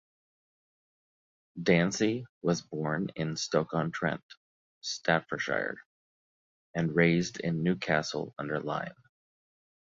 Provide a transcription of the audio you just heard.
Dancy was born in Stoke-on-Trent, Staffordshire, and raised in Newcastle-under-Lyme.